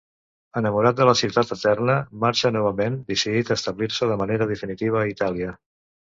Enamorat de la Ciutat Eterna, marxa novament, decidit a establir-se de manera definitiva a Itàlia.